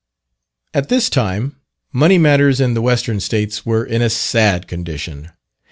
At this time, money matters in the Western States were in a sad condition.